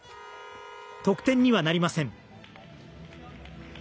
得点にはなりません。